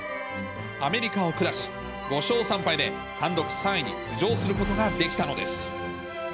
アメリカを下し、５勝３敗で単独３位に浮上することができたのです。